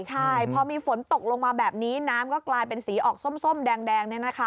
ใช่พอมีฝนตกลงมาแบบนี้น้ำก็กลายเป็นสีออกส้มแดง